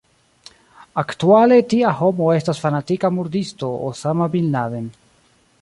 Aktuale tia homo estas fanatika murdisto Osama bin Laden.